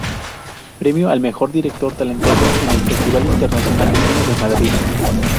Premio al mejor director talentoso en el Festival Internacional de Cine de Madrid.